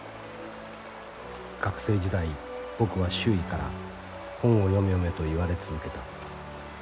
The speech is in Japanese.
学生時代僕は周囲から『本を読め読め』と言われ続けた。